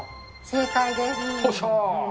正解です。